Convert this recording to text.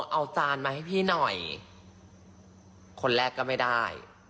เอาจานมาให้พี่หน่อยคนแรกก็ไม่ได้